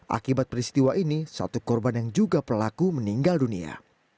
akibat peristiwa ini satu korban yang juga pelaku meninggal dunia